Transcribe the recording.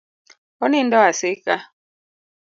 Onindo asika.